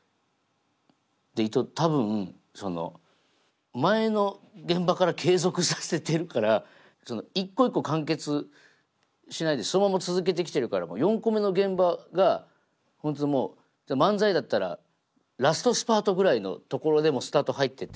で多分その前の現場から継続させてるからその一個一個完結しないでそのまま続けてきてるからもう４個目の現場が本当にもう漫才だったらラストスパートぐらいのところでもうスタート入ってて。